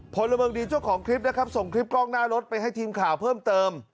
พลเมืองดีเจ้าของคลิปนะครับส่งคลิปกล้องหน้ารถไปให้ทีมข่าวเพิ่มเติม